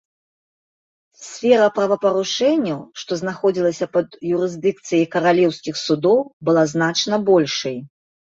Сфера правапарушэнняў, што знаходзіліся пад юрысдыкцыяй каралеўскіх судоў, была значна большай.